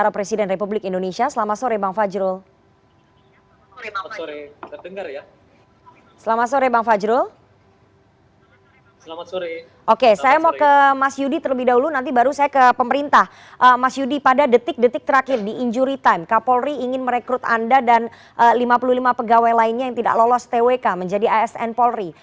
lima puluh lima pegawai lainnya yang tidak lolos twk menjadi asn polri